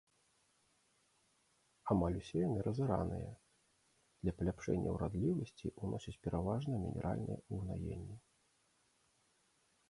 Амаль усе яны разараныя, для паляпшэння ўрадлівасці ўносяць пераважна мінеральныя ўгнаенні.